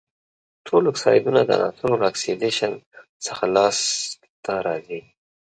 ټول اکسایدونه د عناصرو له اکسیدیشن څخه لاس ته راځي.